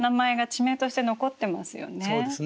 そうですね。